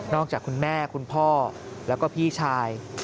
จากคุณแม่คุณพ่อแล้วก็พี่ชาย